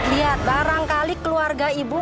lihat barangkali keluarga ibu